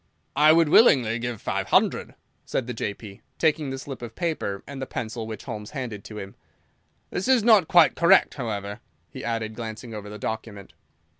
"I would willingly give five hundred," said the J.P., taking the slip of paper and the pencil which Holmes handed to him. "This is not quite correct, however," he added, glancing over the document.